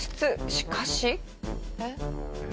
しかし。えっ？